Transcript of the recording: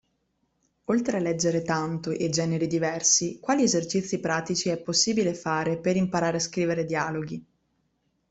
Oltre a leggere tanto e generi diversi, quali esercizi pratici è possibile fare per imparare a scrivere dialoghi?